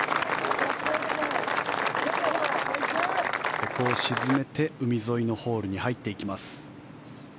ここを沈めて、海沿いのホールに入っていきます。